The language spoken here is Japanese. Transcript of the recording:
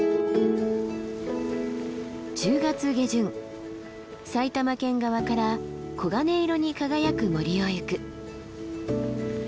１０月下旬埼玉県側から黄金色に輝く森を行く。